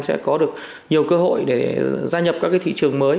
sẽ có được nhiều cơ hội để gia nhập các thị trường mới